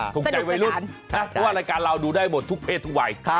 ถูกใจวัยรุ่นนะเพราะว่ารายการเราดูได้หมดทุกเพศทุกวัย